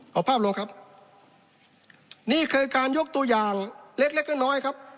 เอาภาพลงครับนี่คือการยกตัวอย่างเล็กเล็กน้อยครับ